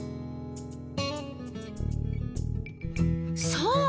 そう。